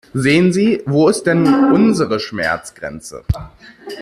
Sehen Sie, wo ist denn nun unsere Schmerzgrenze?